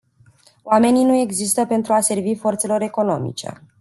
Oamenii nu există pentru a servi forțelor economice.